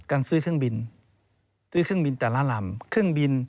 การซื้อเครื่องบินซื้อเครื่องบินแต่ละลำเครื่องบิน